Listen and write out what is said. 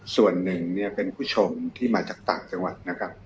ส่วนนึงเป็นผู้ชมที่มาจากต่างจังหวัด